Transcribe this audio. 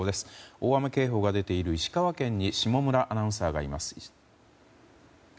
大雨警報が出ている石川県に下村アナウンサーがいます。